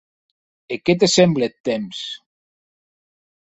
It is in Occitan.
E qué te semble eth temps?